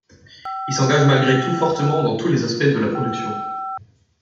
Il s'engage malgré tout fortement dans tous les aspects de la production.